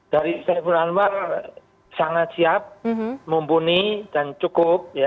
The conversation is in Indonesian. dari saiful anwar sangat siap mumpuni dan cukup